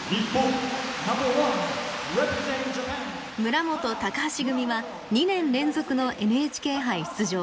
村元橋組は２年連続のＮＨＫ杯出場。